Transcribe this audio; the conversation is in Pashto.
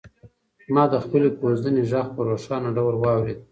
ما د خپلې کوژدنې غږ په روښانه ډول واورېد.